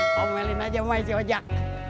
komelin aja maesio cak